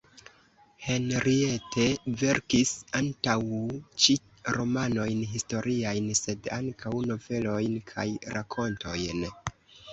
Henriette verkis antaŭ ĉio romanojn historiajn sed ankaŭ novelojn kaj rakontojn.